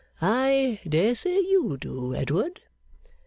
I dare say you do, Edward?